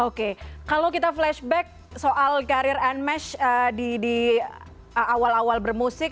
oke kalau kita flashback soal karir nmesh di awal awal bermusik